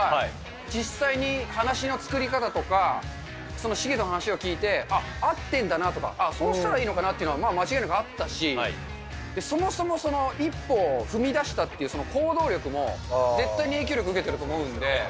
実際に話の作り方とか、そのシゲの話を聞いて、あっ、合ってんだなとか、ああ、そうしたらいいのかなっていうのは、まあ、間違いなくあったし、そもそもその一歩を踏み出したっていう、その行動力も、絶対に影いやいやいや。